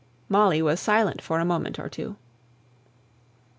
Molly was silent for a moment or two.